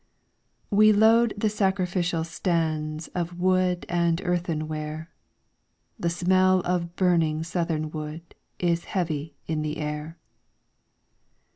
We load the sacrificial stands Of wood and earthen ware, The smell of burning southernwood Is heavy in the air.